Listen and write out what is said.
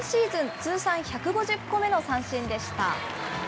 通算１５０個目の三振でした。